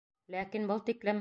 Ләкин был тиклем...